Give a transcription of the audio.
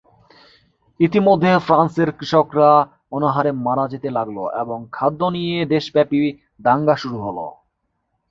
ইতিমধ্যে ফ্রান্সের কৃষকরা অনাহারে মারা যেতে লাগল এবং খাদ্য নিয়ে দেশব্যাপী দাঙ্গা শুরু হল।